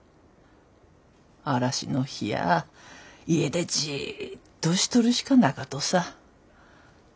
嵐の日や家でじっとしとるしかなかとさ。